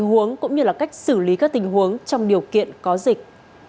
huống cũng như cách xử lý các tình huống trong điều kiện có dịch